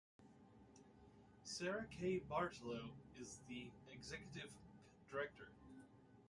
Sarah K. Bartlo, is the Executive Director.